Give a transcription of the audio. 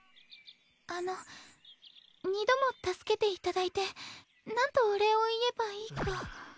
あの二度も助けていただいてなんとお礼を言えばいいか。